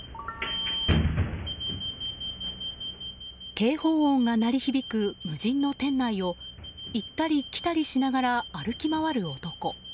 警報音が鳴り響く無人の店内を行ったり来たりしながら歩き回る男。